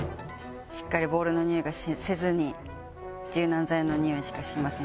しっかりボールのにおいがせずに柔軟剤のにおいしかしませんでした。